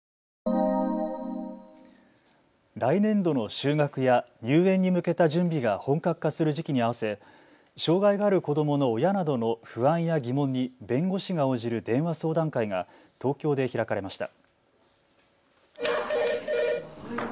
来年度の就学や入園に向けた準備が本格化する時期に合わせ障害がある子どもの親などの不安や疑問に弁護士が応じる電話相談会が東京で開かれました。